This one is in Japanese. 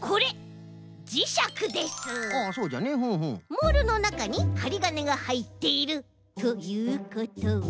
モールのなかにはりがねがはいっているということは。